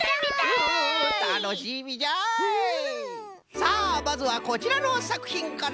さあまずはこちらのさくひんから！